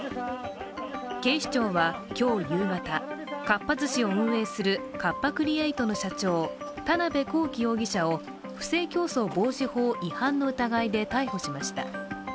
警視庁は今日夕方、かっぱ寿司を運営するカッパ・クリエイトの社長、田辺公己容疑者を不正競争防止法違反の疑いで逮捕しました。